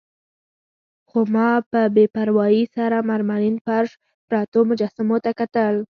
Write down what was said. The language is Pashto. خو ما په بې پروايي سره مرمرین فرش، پرتو مجسمو ته کتل.